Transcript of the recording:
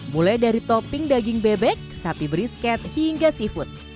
mulai dari topping daging bebek sapi brisket hingga seafood